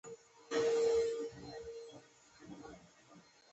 ښه نیت بد نیت ته بدلون ورکوي.